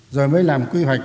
rồi mới làm quy hoạch